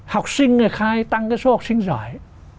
học sinh thì khai tăng cái số học sinh giỏi